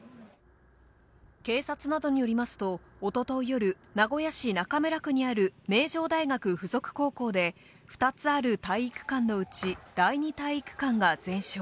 警察などによりますと、おととい夜、名古屋市中村区にある名城大学付属高校で、２つある体育館のうち第２体育館が全焼。